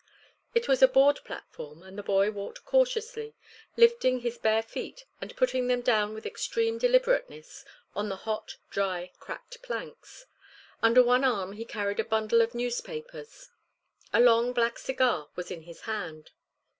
It was a board platform, and the boy walked cautiously, lifting his bare feet and putting them down with extreme deliberateness on the hot, dry, cracked planks. Under one arm he carried a bundle of newspapers. A long black cigar was in his hand.